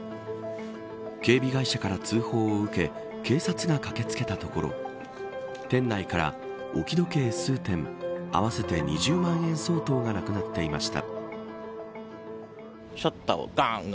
警備会社から通報を受け警察が駆け付けたところ店内から置き時計数点合わせて２０万円相当がなくなっていました。